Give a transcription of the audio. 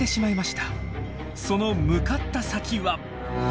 その向かった先は。